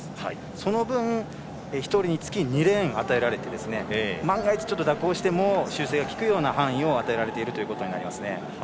その分、１人につき２レーン与えられて万が一、蛇行しても修正がきくような範囲を与えられているということになりますね。